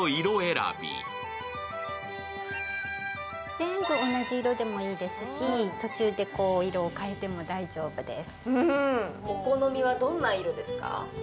全部同じ色でもいいですし、途中で色を変えても大丈夫です。